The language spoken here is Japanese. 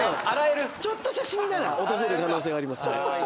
ちょっとした染みなら落とせる可能性はあります。